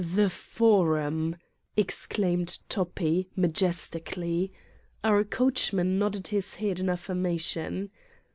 "The Forum !" exclaimed Toppi, majestically. Our 44 Satan's Diary coachman nodded his head in affirmation.